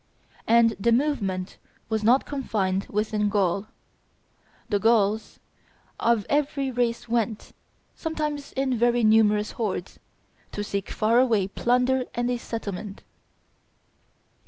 And the movement was not confined within Gaul; the Gauls of every race went, sometimes in very numerous hordes, to seek far away plunder and a settlement.